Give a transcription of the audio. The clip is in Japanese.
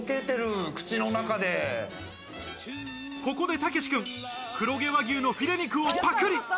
ここで武之君、黒毛和牛のフィレ肉をパクリ。